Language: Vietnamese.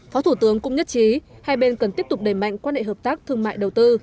phó thủ tướng cũng nhất trí hai bên cần tiếp tục đẩy mạnh quan hệ hợp tác thương mại đầu tư